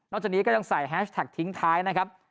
จากนี้ก็ยังใส่แฮชแท็กทิ้งท้ายนะครับ